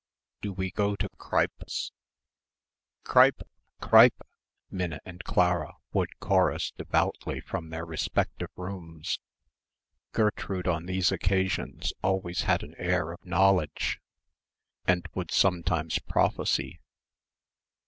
Do we go to Kreipe's?" "Kreipe, Kreipe," Minna and Clara would chorus devoutly from their respective rooms. Gertrude on these occasions always had an air of knowledge and would sometimes prophesy.